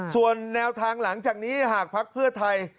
ส่วนแนวทางหลังจากนี้หากภักดิ์เพื่อไทย